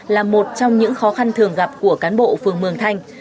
là một trong những khó khăn thường gặp của cán bộ phường mường thanh